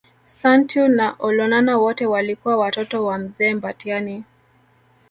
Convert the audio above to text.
Santeu na Olonana wote walikuwa Watoto wa Mzee Mbatiany